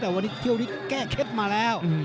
แต่วันนี้เที่ยวนี้แก้เคล็ดมาแล้ว